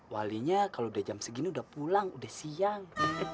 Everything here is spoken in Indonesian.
walinya kalau dari jam segini udah pulang udah siang